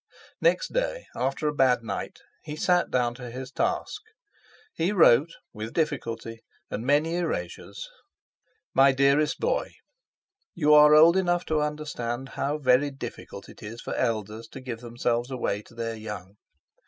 Next day, after a bad night, he sat down to his task. He wrote with difficulty and many erasures. "MY DEAREST BOY, "You are old enough to understand how very difficult it is for elders to give themselves away to their young.